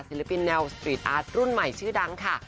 ศิลปินแนวสปีดอาร์ตรุ่นใหม่ชื่อดังค่ะ